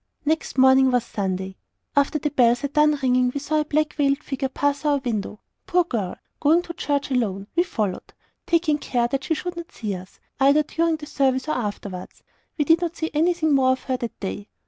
Next morning was Sunday. After the bells had done ringing we saw a black veiled figure pass our window. Poor girl! going to church alone. We followed taking care that she should not see us, either during service or afterwards. We did not see anything more of her that day.